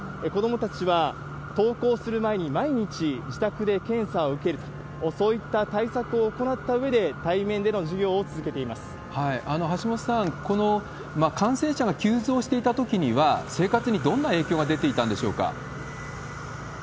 子どもたちは登校する前に毎日、自宅で検査を受けると、そういった対策を行ったうえで、橋本さん、この感染者が急増していたときには、生活にどんな影響が出ていたんでしょうか？